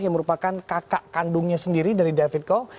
yang merupakan kakak kandungnya sendiri dari david co